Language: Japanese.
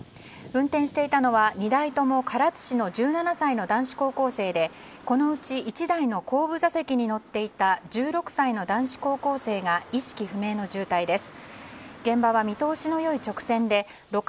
運転していたのは２台とも唐津市の１７歳の男子高校生でこのうち１台の後部座席に乗っていた１６歳の男子高校生が意識不明の重体です。